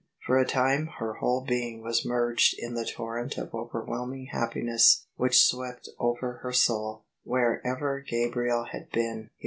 For a time her whole being was merged in the torrent of overwhelming happiness which swept over her soul, SVherever Gabriel had been, he